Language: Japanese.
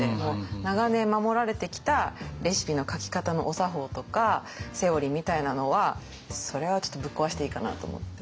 長年守られてきたレシピの書き方のお作法とかセオリーみたいなのはそれはちょっとぶっ壊していいかなと思って。